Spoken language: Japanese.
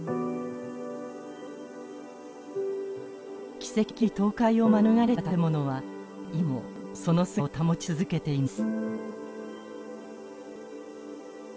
奇跡的に倒壊を免れた建物は今もその姿を保ち続けています。